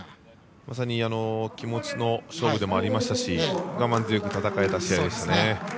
まさに気持ちの勝負でもありましたし我慢強く戦えた試合でしたね。